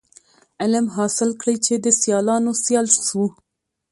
علم حاصل کړی چي د سیالانو سیال سو.